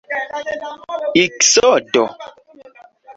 iksodo